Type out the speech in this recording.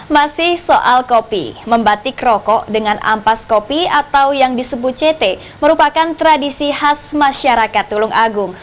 masih soal kopi membatik rokok dengan ampas kopi atau yang disebut ct merupakan tradisi khas masyarakat tulung agung